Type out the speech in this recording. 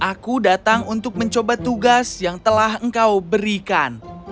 aku datang untuk mencoba tugas yang telah engkau berikan